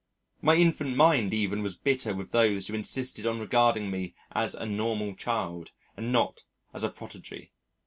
My infant mind even was bitter with those who insisted on regarding me as a normal child and not as a prodigy.